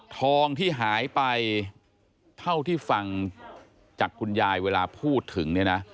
ทองที่หายไปเท่าที่ฟังจากคุณยายเวลาพูดถึงเนี่ยนะ